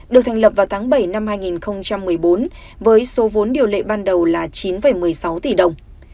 được thành lập vào tháng bảy năm hai nghìn một mươi bốn với số vốn điều lệ ban đầu là chín một mươi sáu tỷ đồng